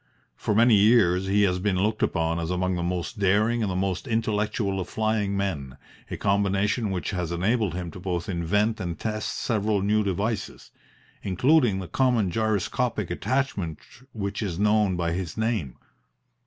For many years he has been looked upon as among the most daring and the most intellectual of flying men, a combination which has enabled him to both invent and test several new devices, including the common gyroscopic attachment which is known by his name.